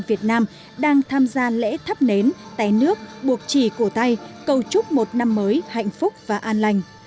việt nam đang tham gia lễ thắp nến té nước buộc chỉ cổ tay cầu chúc một năm mới hạnh phúc và an lành